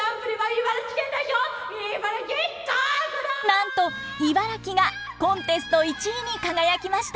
なんと茨城がコンテスト１位に輝きました。